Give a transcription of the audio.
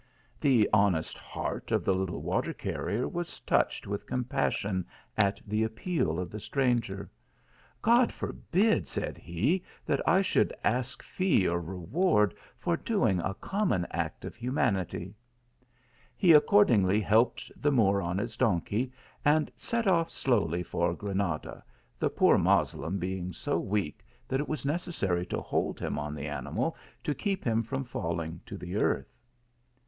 The honest heart of the little water carrier was /; touched with compassion at the appeal of the stranger. " Gocl forbid," said he, " that I should ask fee or reward for doing a common act of hu manity." He accordingly helped the Moor on his donkey, and set off slowly for Granada, the poor Moslem being so weak that it was necessary to hold him on the animal to keep him from falling to the earth.